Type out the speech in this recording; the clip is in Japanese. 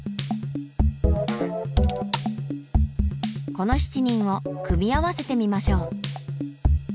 この７人を組み合わせてみましょう。